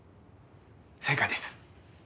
正解です。